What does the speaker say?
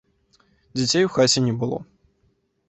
Дзяцей у хаце не было.